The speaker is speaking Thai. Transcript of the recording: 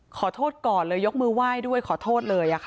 ขอโทษก่อนเลยยกมือไหว้ด้วยขอโทษเลย